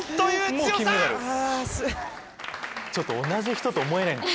ちょっと同じ人と思えないんですけど。